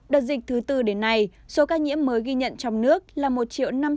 đợt dịch thứ tư đến nay số ca nhiễm mới ghi nhận trong nước là một năm trăm linh ba ba ca